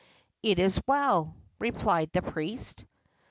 "It is well," replied the priest.